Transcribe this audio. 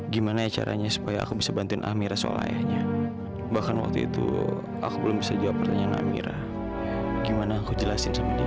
gimana ya caranya supaya aku bisa bantuin amira soal ayahnya bahkan waktu itu aku belum bisa jawab pertanyaan amira gimana aku jelasin sama dia